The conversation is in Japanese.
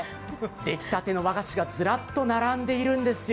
できたての和菓子がずらっと並んでいるんですよ。